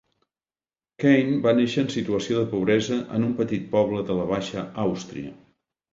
Kain va néixer en situació de pobresa en un petit poble de la Baixa Àustria.